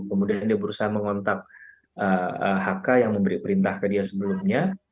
kemudian dia berusaha mengontak hk yang memberi perintah ke dia sebelumnya